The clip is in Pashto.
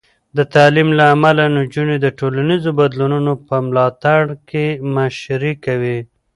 د تعلیم له امله، نجونې د ټولنیزو بدلونونو په ملاتړ کې مشري کوي.